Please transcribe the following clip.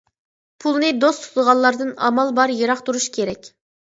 پۇلنى دوست تۇتىدىغانلاردىن ئامال بار يىراق تۇرۇش كېرەك.